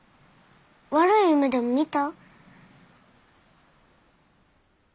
悪い夢でも見た？